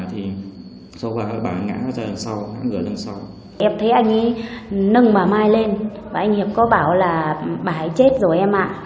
thế anh ấy nâng bà mai lên và anh hiệp có bảo là bà ấy chết rồi em ạ